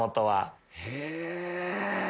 へぇ。